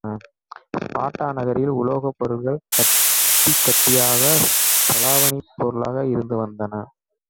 Sparta நகரில் உலோகப் பொருள்கள் கட்டி கட்டியாகச் செலாவ்ணிப் பொருளாக இருந்து வந்தன.